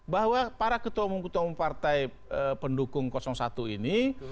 bahwa para ketua umum ketua umum partai pendukung satu ini